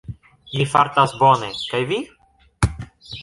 Mi fartas bone, kaj vi?